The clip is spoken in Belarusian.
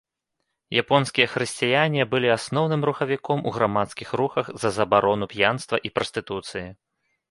Японскія хрысціяне былі асноўным рухавіком у грамадскіх рухах за забарону п'янства і прастытуцыі.